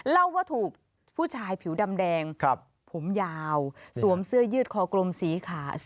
เล่าว่าถูกผู้ชายผิวดำแดงผมยาวสวมเสื้อยืดคอกลมสีขาว